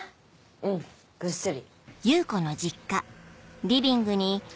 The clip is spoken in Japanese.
うんぐっすり。